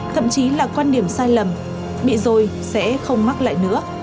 thậm chí là quan điểm sai lầm bị rồi sẽ không mắc lại nữa